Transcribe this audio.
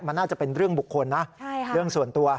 มันน่าจะเป็นเรื่องบุคคลนะเรื่องส่วนตัว